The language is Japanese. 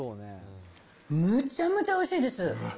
むちゃむちゃおいしいです。